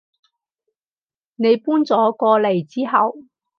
你搬咗過嚟之後